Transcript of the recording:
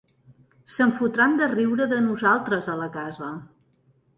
Se'n fotran de riure de nosaltres a la casa.